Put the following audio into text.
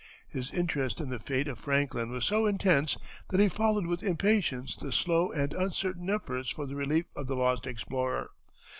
His interest in the fate of Franklin was so intense that he followed with impatience the slow and uncertain efforts for the relief of the lost explorer.